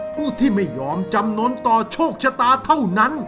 ผู้ที่ไม่ยอมจำนวนต่อโชคชะตาเท่านั้น